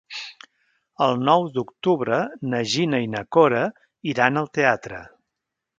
El nou d'octubre na Gina i na Cora iran al teatre.